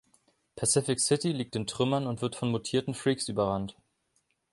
Pacific City liegt in Trümmern und wird von mutierten Freaks überrannt.